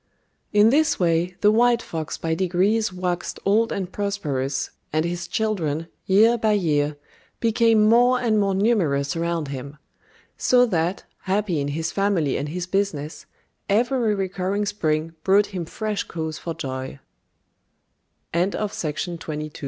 ] In this way the white fox by degrees waxed old and prosperous, and his children, year by year, became more and more numerous around him; so that, happy in his family and his business, every recurring spring brought him fresh cause for joy.